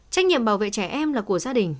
trách nhiệm bảo vệ trẻ em là của gia đình